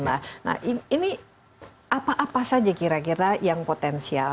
nah ini apa apa saja kira kira yang potensial